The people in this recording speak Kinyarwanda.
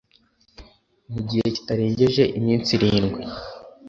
mu gihe kitarengeje iminsi irindwi